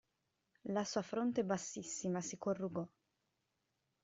La sua fronte bassissima si corrugò.